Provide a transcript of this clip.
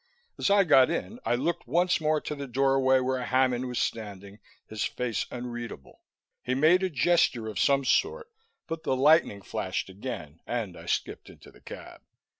As I got in, I looked once more to the doorway where Hammond was standing, his face unreadable. He made a gesture of some sort, but the lightning flashed again and I skipped into the cab.